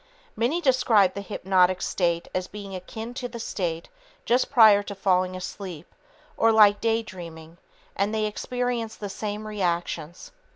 Many describe the hypnotic state as being akin to the state just prior to falling asleep or like daydreaming, and they experience the same reactions.